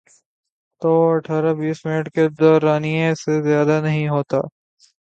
تو وہ اٹھارہ بیس منٹ کے دورانیے سے زیادہ نہیں ہوتا۔